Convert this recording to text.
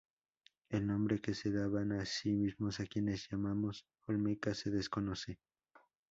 El nombre que se daban a sí mismos a quienes llamamos olmecas se desconoce.